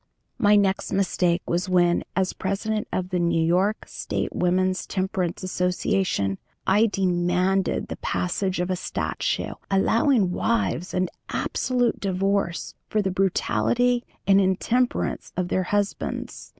My next mistake was when, as president of the New York State Woman's Temperance Association, I demanded the passage of a statute allowing wives an absolute divorce for the brutality and intemperance of their husbands.